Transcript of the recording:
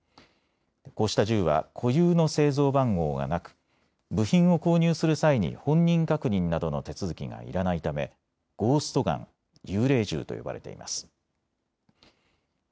こうした銃は固有の製造番号がなく、部品を購入する際に本人確認などの手続きがいらないためゴースト・ガン・幽霊銃と呼ばれています。